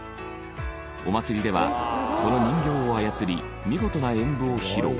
お祭りではこの人形を操り見事な演舞を披露。